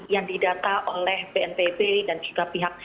yang didata oleh bnpb dan juga pihak